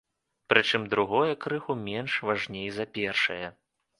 Прычым другое крыху менш важней за першае.